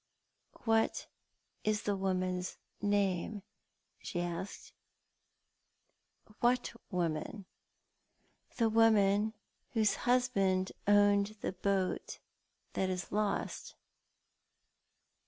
" What is the woman's name ?" she asked. " What woman ?"" The woman whose husband owned the boat that is lost